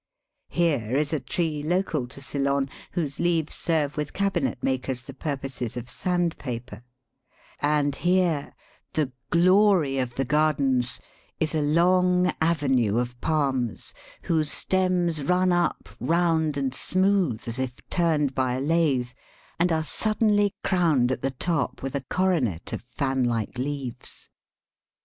Here is a tree local to Ceylon, whose leaves serve with cabinet makers the purposes of sand paper ; and here — the glory of the gardens — is a long avenue of palms, whose stems run up, round and smooth, as if turned Digitized by VjOOQIC 160 EAST BY WEST. by a lathe, and are suddenly crowned at the top with a coronet of fan like leaves.